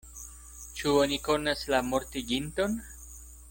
Ĉu oni konas la mortiginton?